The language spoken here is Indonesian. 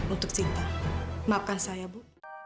untuk cinta maafkan saya bu